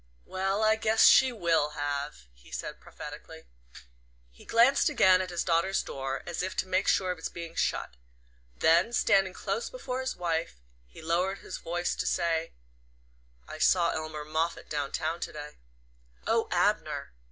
"Well I guess she WILL have," he said prophetically. He glanced again at his daughter's door, as if to make sure of its being shut; then, standing close before his wife, he lowered his voice to say: "I saw Elmer Moffatt down town to day." "Oh, Abner!"